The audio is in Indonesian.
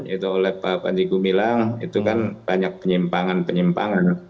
itu oleh pak panji gumilang itu kan banyak penyimpangan penyimpangan